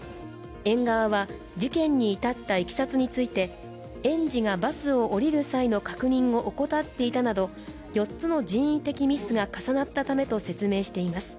園側は事件に至ったいきさつについて園児がバスを降りる際の確認を怠っていたなど４つの人為的ミスが重なったためと説明しています。